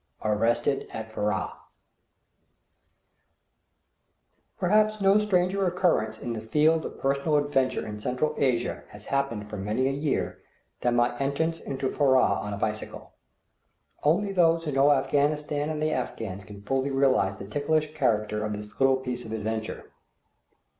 ARRESTED AT FURRAH. Perhaps no stranger occurrence in the field of personal adventure in Central Asia has happened for many a year than my entrance into Furrah on a bicycle. Only those who know Afghanistan and the Afghans can fully realize the ticklish character of this little piece of adventure.